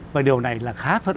và điều này là khác